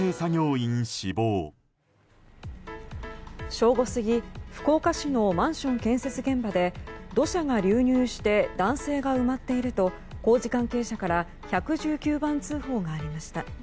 正午すぎ福岡市のマンション建設現場で土砂が流入して男性が埋まっていると工事関係者から１１９番通報がありました。